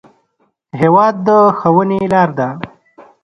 هېواد د ښوونې لار ده.